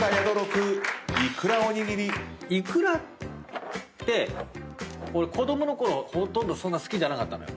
いくらって俺子供のころそんな好きじゃなかったのよ。